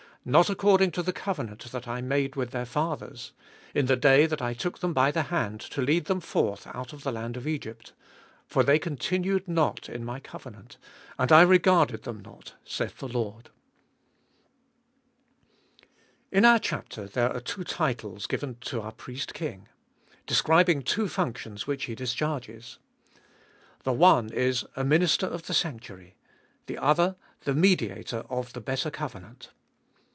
Not according to the covenant that I made with their fathers ; In the day I took them by the hand to lead them forth out of the land of Egypt; For they continued not In my covenant, And I regarded them not, saith the Lord, IN our chapter there are two titles given to our Priest King, describing two functions which He discharges. The one is, a Minister of the sanctuary, the other, the Mediator of the better covenant.